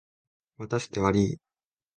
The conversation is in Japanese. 待たせてわりい。